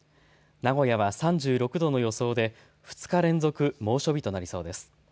名古屋は３６度の予想で２日連続、猛暑日となりそうです。